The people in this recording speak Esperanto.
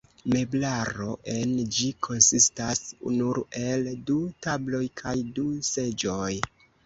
Meblaro en ĝi konsistas nur el du tabloj kaj du seĝoj.